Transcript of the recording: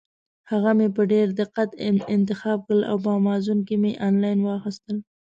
هغه مې په ډېر دقت انتخاب کړل او په امازان کې مې انلاین واخیستل.